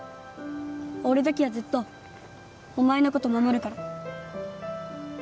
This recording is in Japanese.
俺だけはずっとお前のこと守るから